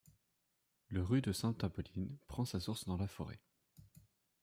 Le ru de Sainte Apolline prend sa source dans la forêt.